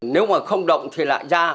nếu mà không động thì lại ra